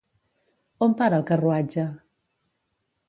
On para el carruatge?